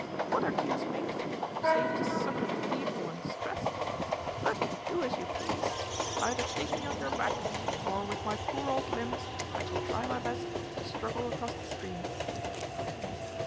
What are kings made for, save to succor the feeble and distressed? But do as you please. Either take me on your back, or with my poor old limbs I shall try my best to struggle across the stream."